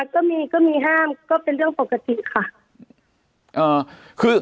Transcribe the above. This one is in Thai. ก็มีก็มีห้ามก็เป็นเรื่องปกติค่ะ